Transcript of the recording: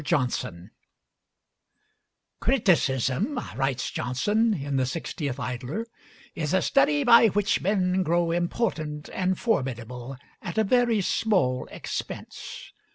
JOHNSON "Criticism," writes Johnson in the 60th Idler, "is a study by which men grow important and formidable at a very small expense.